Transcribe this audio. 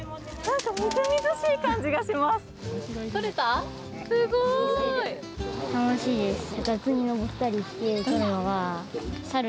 みずみずしい感じがします。